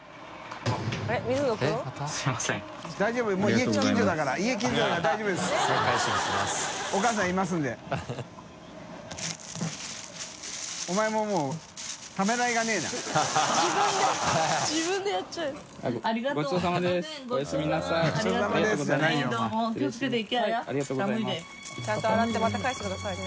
淵Εぅちゃんと洗ってまた返してくださいね。